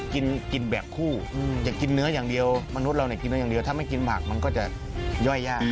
กินแบบคู่อยากกินเนื้ออย่างเดียวมนุษย์เรากินเนื้ออย่างเดียวถ้าไม่กินผักมันก็จะย่อยยาก